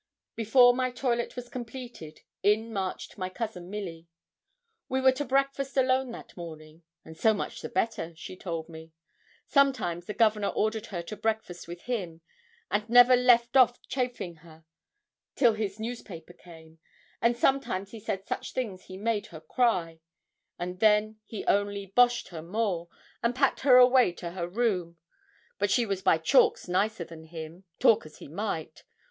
Before my toilet was completed, in marched my cousin Milly. We were to breakfast alone that morning, 'and so much the better,' she told me. Sometimes the Governor ordered her to breakfast with him, and 'never left off chaffing her' till his newspaper came, and 'sometimes he said such things he made her cry,' and then he only 'boshed her more,' and packed her away to her room; but she was by chalks nicer than him, talk as he might.